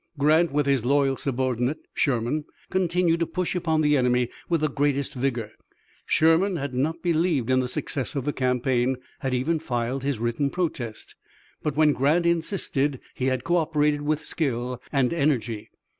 Grant, with his loyal subordinate, Sherman, continued to push upon the enemy with the greatest vigor. Sherman had not believed in the success of the campaign, had even filed his written protest, but when Grant insisted he had cooperated with skill and energy.